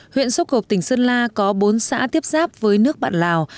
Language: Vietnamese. huyện xúc hộp tỉnh sơn la có bốn xã tiếp giáp với nước bạn lào